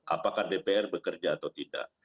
apakah dpr bekerja atau tidak